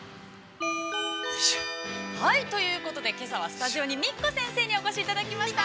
◆はい、ということで、けさはスタジオにみっこ先生にお越しいただきました。